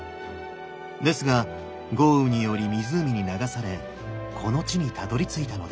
ですが豪雨により湖に流されこの地にたどりついたのです。